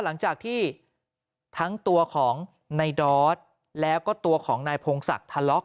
หลังจากที่ทั้งตัวของในดอสแล้วก็ตัวของนายพงศักดิ์ทะเลาะ